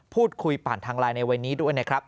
พูดคุยผ่านทางไลน์ในวันนี้ด้วยนะครับ